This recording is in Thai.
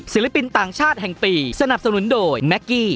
ศิลปินต่างชาติแห่งปีสนับสนุนโดยแม็กกี้